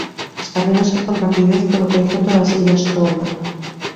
Expandíronse con rapidez polo conxunto das illas Tonga.